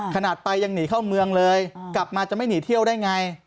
ขนาดไปยังหนีเข้าเมืองเลยกลับมาจะไม่หนีเที่ยวได้ไง